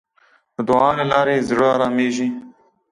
د دعا له لارې زړه آرامېږي.